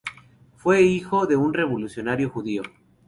Fue hijo de un revolucionario judío.